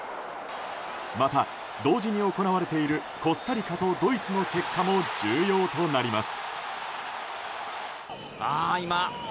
また、同時に行われているコスタリカとドイツの結果も重要となります。